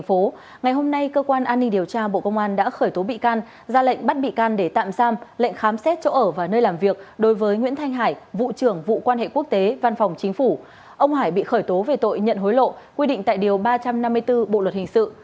ông hải bị khởi tố về tội nhận hối lộ quy định tại điều ba trăm năm mươi bốn bộ luật hình sự